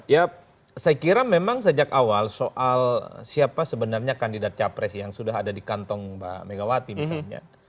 ya saya kira memang sejak awal soal siapa sebenarnya kandidat capres yang sudah ada di kantong mbak megawati misalnya